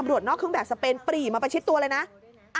ตำรวจนอกเครื่องแบบสเปนปลี่มาไปชิดตัวเลยนะ